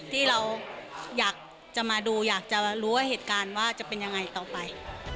ที่เราอยากจะมาดูอยากจะรู้ว่าเหตุการณ์ว่าจะเป็นยังไงต่อไป